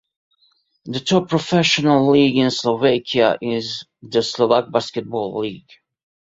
The top professional league in Slovakia is the Slovak Basketball League.